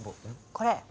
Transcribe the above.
これ。